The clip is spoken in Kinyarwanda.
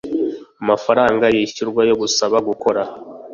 amafaranga yishyurwa yo gusaba gukora